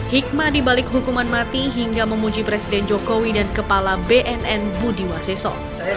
hikmah dibalik hukuman mati hingga memuji presiden jokowi dan kepala bnn budi waseso